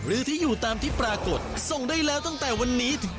หรือที่อยู่ตามที่ปรากฏส่งได้แล้วตั้งแต่วันนี้ถึง